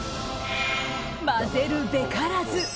混ぜるべからず。